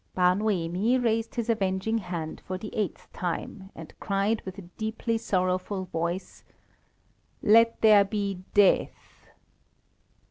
Bar Noemi raised his avenging hand for the eighth time, and cried with a deeply sorrowful voice "Let there be death."